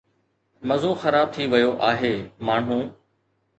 مزو خراب ٿي ويو آهي، ماڻهو